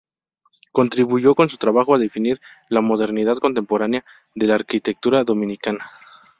Contribuyó con su trabajo a definir la modernidad contemporánea de la arquitectura dominicana.